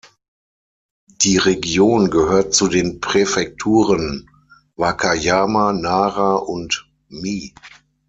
Die Region gehört zu den Präfekturen Wakayama, Nara und Mie.